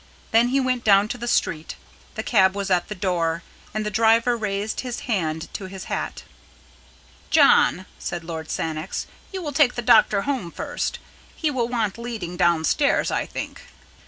Then he went down to the street. The cab was at the door, and the driver raised his hand to his hat. "John," said Lord Sannox, "you will take the doctor home first. He will want leading downstairs, I think.